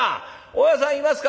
大家さんいますか」。